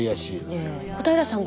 小平さん